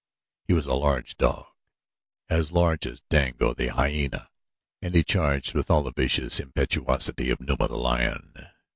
He was a large dog, as large as Dango, the hyena, and he charged with all the vicious impetuosity of Numa, the lion.